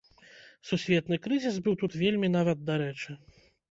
Сусветны крызіс быў тут вельмі нават дарэчы.